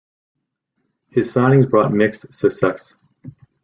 His signings brought mixed success.